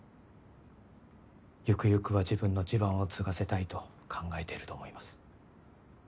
ゆくゆくは自分の地盤を継がせたいと考えてると思います。